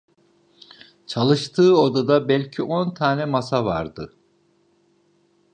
Çalıştığı odada belki on tane masa vardı.